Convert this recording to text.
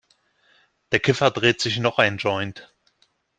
Der Kiffer dreht sich noch einen Joint.